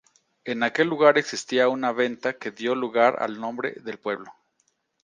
En aquel lugar existía un venta que dio lugar al nombre del pueblo.